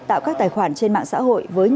tạo các tài khoản trên mạng xã hội